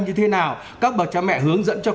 như thế nào các bà cha mẹ hướng dẫn cho